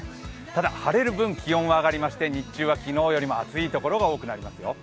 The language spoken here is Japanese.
ただ、晴れる分、気温が上がりまして日中は昨日よりも暑い所が多くなりますよ。